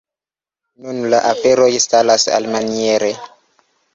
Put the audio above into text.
Nun la aferoj statas alimaniere.